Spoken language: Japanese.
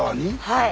はい。